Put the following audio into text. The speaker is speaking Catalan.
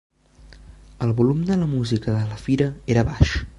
El volum de la música de la fira era baix.